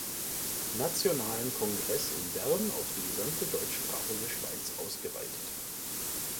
Nationalen Kongress in Bern auf die gesamte deutschsprachige Schweiz ausgeweitet.